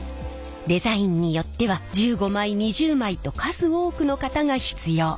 デザインによっては１５枚２０枚と数多くの型が必要。